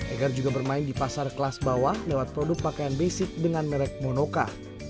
egar juga bermain di pasar kelas bawah lewat produk pakaian basic dengan merek monoka